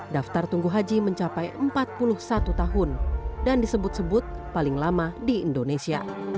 daftar tunggu haji mencapai empat puluh satu tahun dan disebut sebut paling lama di indonesia